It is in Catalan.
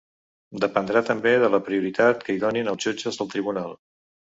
Dependrà també de la prioritat que hi donin els jutges del tribunal.